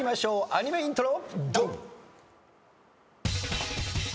アニメイントロ。